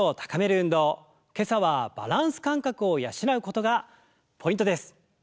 今朝はバランス感覚を養うことがポイントです！